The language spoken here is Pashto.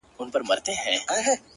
زما خوله كي شپېلۍ اشنا;